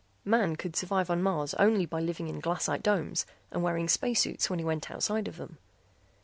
Man could survive on Mars only by living inside glassite domes and wearing space suits when he went outside of them.